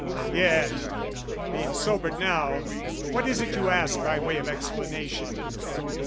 Yet, being sobered now, what is it you ask By way of explanation?